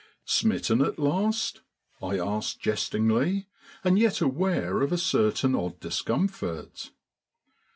"Smitten at last?" I asked jestingly, and yet aware of a certain odd discomfort.